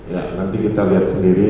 ya nanti kita lihat sendiri